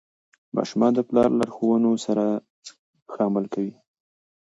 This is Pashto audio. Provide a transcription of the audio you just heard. ماشومان د پلار لارښوونو سره ښه عمل کوي.